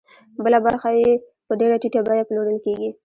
بله برخه یې په ډېره ټیټه بیه پلورل کېږي